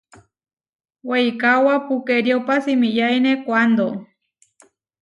Weikaóba pukeriópa simiyáine kuándo.